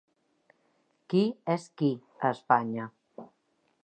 Qui és qui a Espanya.